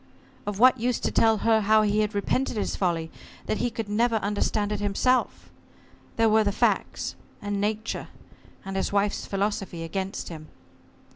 Of what use to tell her how he had repented his folly, that he could never understand it himself? There were the facts, and Nature, and his wife's philosophy against him.